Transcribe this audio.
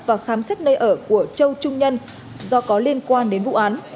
và khám xét nơi ở của châu trung nhân do có liên quan đến vụ án